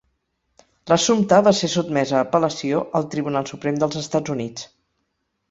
L'assumpte va ser sotmès a apel·lació al Tribunal Suprem del Estats Units.